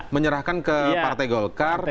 menyerahkan ke partai golkar